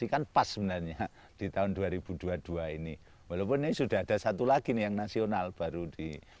kan pas sebenarnya di tahun dua ribu dua puluh dua ini walaupun ini sudah ada satu lagi nih yang nasional baru di